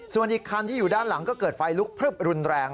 ส่วนอีกคันที่อยู่ด้านหลังก็เกิดไฟลุกพลึบรุนแรง